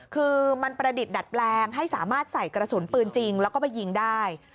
คือมันประดิษฐ์ดัดแปลงให้สามารถใส่กระสุนปืนจริงแล้วก็ไปยิงได้